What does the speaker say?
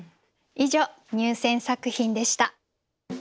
以上入選作品でした。